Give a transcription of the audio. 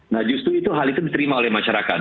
nah justru itu hal itu diterima oleh masyarakat